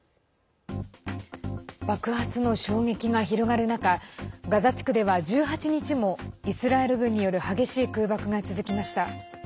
爆発の衝撃が広がる中ガザ地区では１８日もイスラエル軍による激しい空爆が続きました。